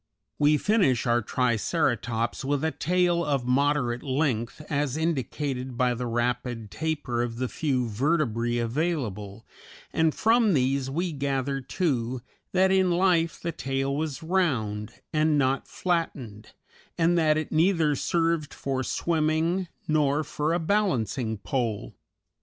We finish our Triceratops with a tail of moderate length, as indicated by the rapid taper of the few vertebræ available, and from these we gather, too, that in life the tail was round, and not flattened, and that it neither served for swimming nor for a balancing pole.